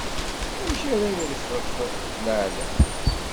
Amek ara iṛefṛef leɛlam?